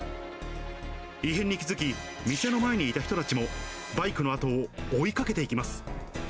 異変に気付き、店の前にいた人たちもバイクの後を追いかけていきます。